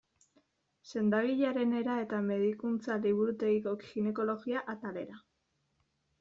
Sendagilearenera eta medikuntza-liburutegiko ginekologia atalera.